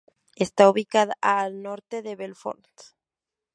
Está ubicada a al norte de Belfort.